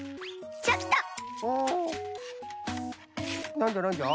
なんじゃなんじゃ？